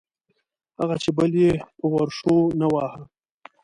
هغه چې پل یې په ورشو نه واهه.